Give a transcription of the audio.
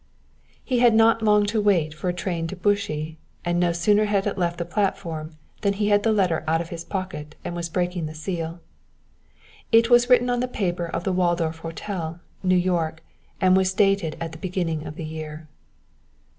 He had not long to wait for a train to Bushey, and no sooner had it left the platform than he had the letter out of his pocket and was breaking the seal. It was written on the paper of the Waldorf Hotel, New York, and was dated at the beginning of the year.